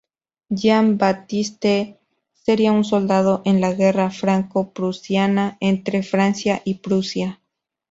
Jean Baptiste sería un soldado en la guerra franco-prusiana entre Francia y Prusia.